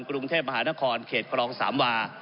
กรุงเทพมหานครเขตครองสามวา